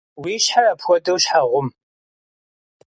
Уи щхьэр апхуэдэу щхьэ гъум?